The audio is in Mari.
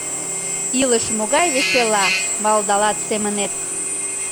«Илыш могай весела», — малдалат семынет.